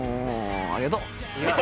ありがとう。